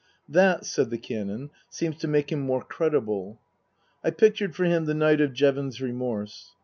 ' That," said the Canon, " seems to make him more credible." I pictured for him the night of Jevons's remorse.